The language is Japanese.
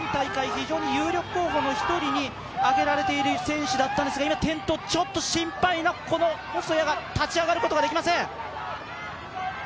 非常に有力選手の１人に挙げられている選手だったんですが、今、転倒、ちょっと心配な、細谷が立ち上がることができません。